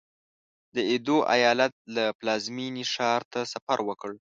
د ایدو ایالت له پلازمېنې ښار ته سفر وکړ.